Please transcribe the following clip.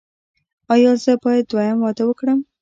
ایا زه باید دویم واده وکړم؟